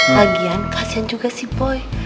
bagian kasian juga si boy